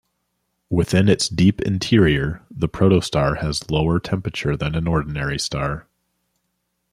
Within its deep interior, the protostar has lower temperature than an ordinary star.